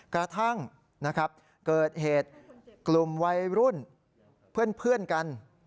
กระทั่งนะครับเกิดเหตุกลุ่มวัยรุ่นเพื่อนกัน